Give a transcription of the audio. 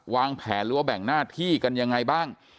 วางแผนหรือว่าแบ่งหน้าที่กันยังไงบ้าง